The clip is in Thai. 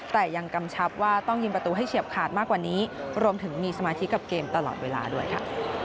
แต่ยังกำชับว่าต้องยิงประตูให้เฉียบขาดมากกว่านี้รวมถึงมีสมาธิกับเกมตลอดเวลาด้วยค่ะ